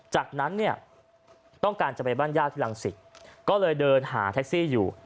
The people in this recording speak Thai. จากนั้นเนี่ยต้องการจะไปบ้านญาติที่รังสิตก็เลยเดินหาแท็กซี่อยู่